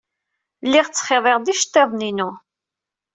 Lliɣ ttxiḍiɣ-d iceḍḍiḍen-inu.